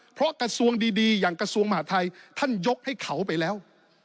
เพราะกระทรวงดีอย่างกระทรวงมหาทัยท่านยกให้เขาไปแล้ว